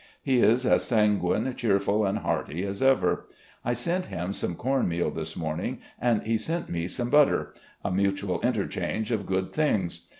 He is as sanguine, cheerful, and hearty as ever. I sent him some com meal this morning and he sent me some butter — a mutual interchange of good things.